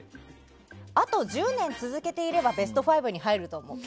あと１０年続けていればベスト５に入ると思う。